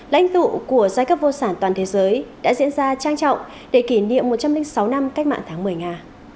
là anh tụ của giai cấp vô sản toàn thế giới đã diễn ra trang trọng để kỷ niệm một trăm linh sáu năm cách mạng tháng một mươi nga